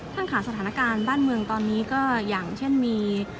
ค่ะสถานการณ์บ้านเมืองตอนนี้ก็อย่างเช่นมี